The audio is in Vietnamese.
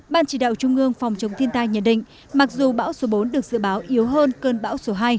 ban chỉ đạo trung ương phòng chống thiên tai nhận định mặc dù bão số bốn được dự báo yếu hơn cơn bão số hai